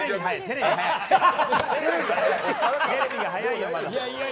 テレビが早いよ、まだ。